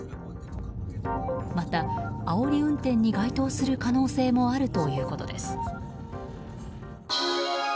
また、あおり運転に該当する可能性もあるということです。